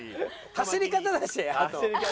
走り方だしあと。